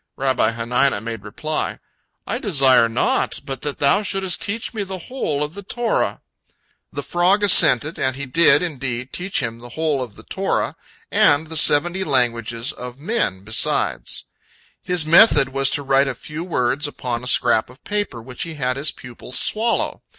Rabbi Hanina made reply, "I desire naught but that thou shouldst teach me the whole of the Torah." The frog assented, and he did, indeed, teach him the whole of the Torah, and the seventy languages of men besides. His method was to write a few words upon a scrap of paper, which he had his pupil swallow.